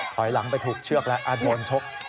ถอยหลังไปถูกเชือกแล้วโดนชก